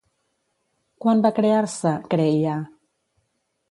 Quan va crear-se CREiA?